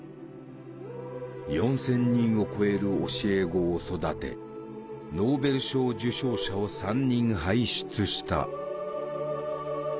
４，０００人を超える教え子を育てノーベル賞受賞者を３人輩出した。